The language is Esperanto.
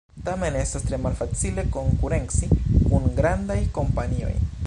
Tamen estas tre malfacile konkurenci kun grandaj kompanioj.